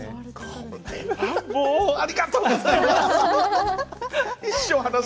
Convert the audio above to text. もう、ありがとうございます。